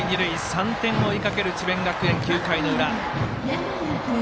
３点を追いかける智弁学園９回の裏。